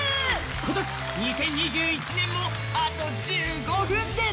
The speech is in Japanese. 今年、２０２１年もあと１５分です！